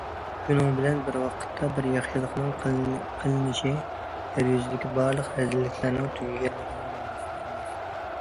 شۇنىڭ بىلەن بىر ۋاقىتتا، بىر ياخشىلىقنىڭ قىلىنىشى يەر يۈزىدىكى بارلىق رەزىللىكلەرنىڭ تۈگىگەنلىكىنىڭ بەلگىسى ئەمەس.